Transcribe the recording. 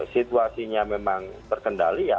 situasinya memang terkendali